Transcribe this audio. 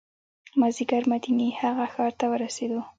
مازدیګر مدینې هغه ښار ته ورسېدو.